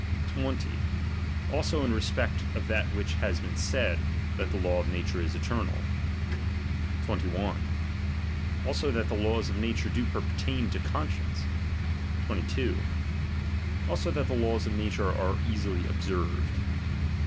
20. Also in respect of that M'hich hath been said, that the law of nature is eternal. 21. Also that the laws of nature do pertain to con science. 22. Also that the laws of nature are easily observed.